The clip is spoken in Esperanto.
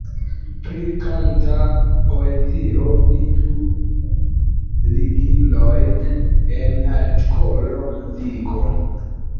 Pri kanta poezio, vidu ligilojn en artikolo "Muziko".